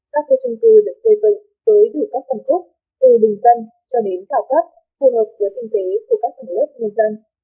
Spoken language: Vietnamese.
các khu trung cư được xây dựng với đủ các phần khúc từ bình dân cho đến tạo cấp phù hợp với tinh tế của các thành lớp nhân dân